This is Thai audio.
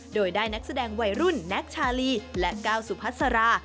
โดยได้นักแสดงวัยรุ่นแน็กชาลีและก้าวสุพัสรา